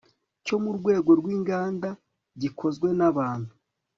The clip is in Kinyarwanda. cyo mu rwego rw inganda gikozwe n abantu